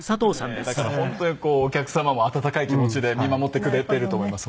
だから本当にこうお客様も温かい気持ちで見守ってくれていると思います